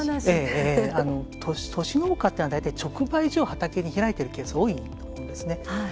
都市農家っていうのは大体直売所を畑に開いているケースが多いんですね。